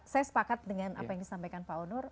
saya sepakat dengan apa yang disampaikan pak onur